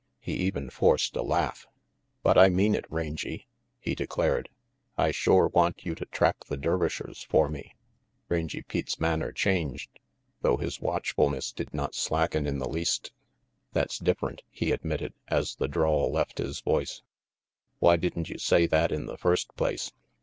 He even forced a laugh. "But I mean it, Rangy," he declared. "I shore want you to track the Dervishers for me." RANGY PETE 2C3 Rangy Pete's manner changed, though his watch fulness did not slacken in the least. "That's different," he admitted, as the drawl left his voice. "Why didn't you say that in the first place?